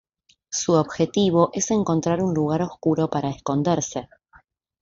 Su objetivo es encontrar un lugar oscuro para esconderse.